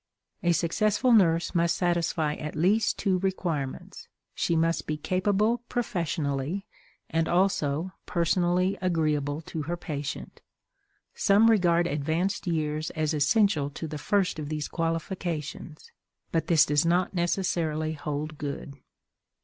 A successful nurse must satisfy at least two requirements; she must be capable professionally and also personally agreeable to her patient. Some regard advanced years as essential to the first of these qualifications, but this does not necessarily hold good.